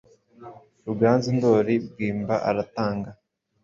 Ruganzu.ndoli bwimba aratanga